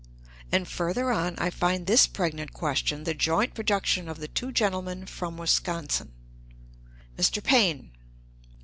And further on I find this pregnant question, the joint production of the two gentlemen from Wisconsin: "Mr. Paine.